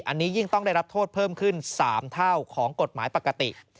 อันนี้ยิ่งต้องได้รับโทษเพิ่มขึ้น๓เท่าของกฎหมายปกติ